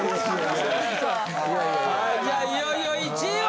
・じゃあいよいよ１位は？